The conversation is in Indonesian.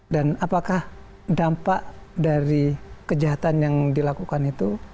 dan apakah dampak dari kejahatan yang dilakukan itu